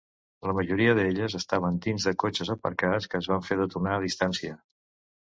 La majoria d'elles estaven dins de cotxes aparcats que es van fer detonar a distància.